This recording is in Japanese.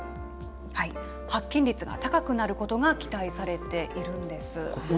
発見率が高くなることが期待されているんです。